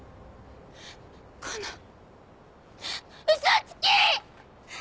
この嘘つき！